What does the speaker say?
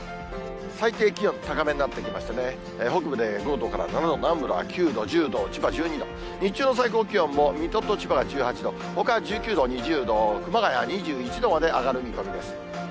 最低気温高めになってきましたね、北部で５度から７度、南部では９度、１０度、千葉１２度、日中の最高気温も水戸と千葉が１８度、ほか１９度、２０度、熊谷２１度まで上がる見込みです。